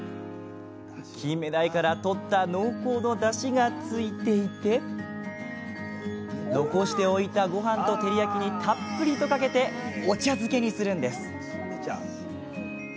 キンメダイから取った濃厚のダシがついていて残しておいたごはんと照り焼きにたっぷりとかけてお茶漬けにするんです。